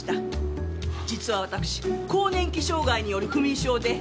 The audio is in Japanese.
実はわたくし更年期障害による不眠症で。